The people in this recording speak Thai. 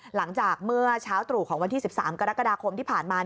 หลังจากเมื่อเช้าตรู่ของวันที่๑๓กรกฎาคมที่ผ่านมา